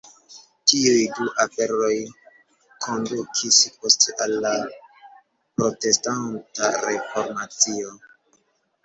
Tiuj du aferoj kondukis poste al la Protestanta Reformacio.